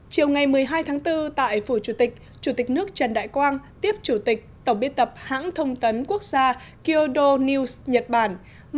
chiều ngày một mươi hai tháng bốn tại phủ chủ tịch chủ tịch nước trần đại quang tiếp chủ tịch tổng biên tập hãng thông tấn quốc gia kyodo news nhật bản